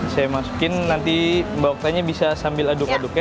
saya masukin nanti mbak oktaynya bisa sambil aduk aduk ya